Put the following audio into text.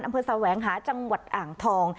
อำเภอสาวแหวงหาจังหวัดอ่างทอง